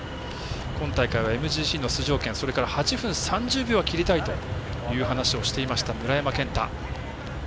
今大会はＭＧＣの出場権それから８分３０秒切りたいという話をしていました村山謙太。